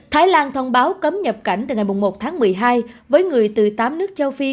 thái lan thông báo cấm nhập cảnh từ ngày một tháng một mươi hai với người từ tám nước châu phi